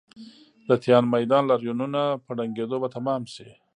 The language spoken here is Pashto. د تیان میدان لاریونونه په ړنګېدو به تمام شي.